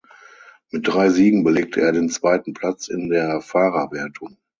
Mit drei Siegen belegte er den zweiten Platz in der Fahrerwertung.